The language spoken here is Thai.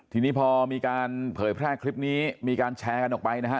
ทีนี้พอมีการเผยแพร่คลิปนี้มีการแชร์กันออกไปนะฮะ